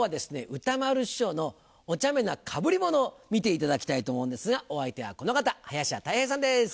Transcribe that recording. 歌丸師匠のおちゃめなかぶりものを見ていただきたいと思うんですがお相手はこの方林家たい平さんです。